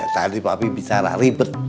tadi papi bicara ribet